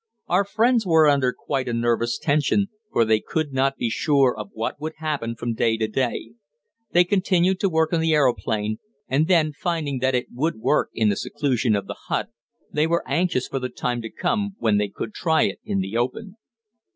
Our friends were under quite a nervous tension, for they could not be sure of what would happen from day to day. They continued to work on the aeroplane, and then, finding that it would work in the seclusion of the hut, they were anxious for the time to come when they could try it in the open.